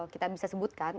kita bisa sebutkan